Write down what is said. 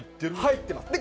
入ってます。